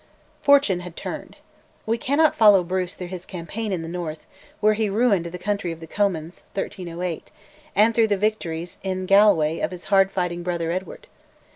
Fortune had turned. We cannot follow Bruce through his campaign in the north, where he ruined the country of the Comyns (1308), and through the victories in Galloway of his hard fighting brother Edward.